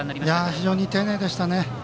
非常に丁寧でしたね。